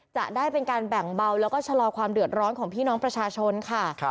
จะได้เป็นการแบ่งเบาแล้วก็ชะลอความเดือดร้อนของพี่น้องประชาชนค่ะ